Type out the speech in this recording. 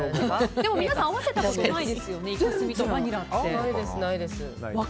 でも皆さん合わせたことないですよね